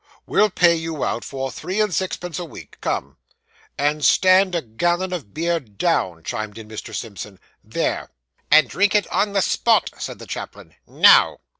We'll pay you out for three and sixpence a week. Come!' 'And stand a gallon of beer down,' chimed in Mr. Simpson. 'There!' 'And drink it on the spot,' said the chaplain. 'Now!